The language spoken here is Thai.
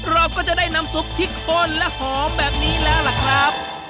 เราก็จะได้น้ำซุปที่ข้นและหอมแบบนี้แล้วล่ะครับ